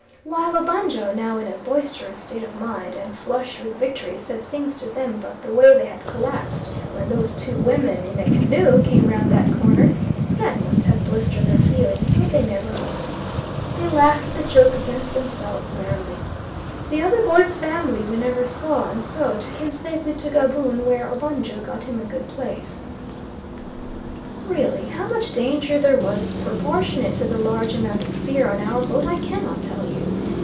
While Obanjo, now in a boisterous state of mind, and flushed with victory, said things to them about the way they had collapsed when those two women in a canoe came round that corner, that must have blistered their feelings, but they never winced. They laughed at the joke against themselves merrily. The other boy's family we never saw and so took him safely to Gaboon, where Obanjo got him a good place. Really how much danger there was proportionate to the large amount of fear on our boat I cannot tell you.